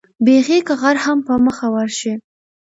بېخي که غر هم په مخه ورشي.